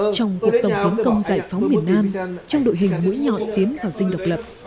trong cuộc tổng thống công giải phóng miền nam trong đội hình mũi nhọn tiến vào sinh độc lập